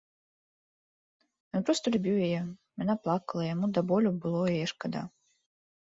Ён проста любіў яе, яна плакала, і яму да болю было яе шкада.